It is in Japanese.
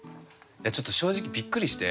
ちょっと正直びっくりして。